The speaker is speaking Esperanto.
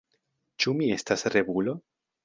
Ĉu mi estas revulo?